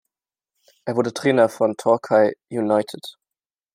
Er wurde Trainer von Torquay United.